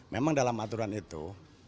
memang dalam aturan ya sudah jelas